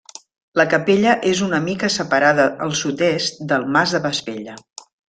La capella és una mica separada al sud-est del mas de Vespella.